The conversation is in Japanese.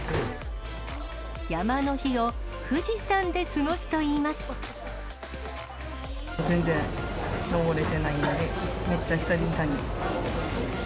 山の日を富士山で過ごすとい全然登れてないんで、めっちゃ久々に。